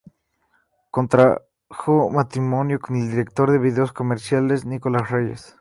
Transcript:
Contrajo matrimonio con el director de videos comerciales Nicolás Reyes.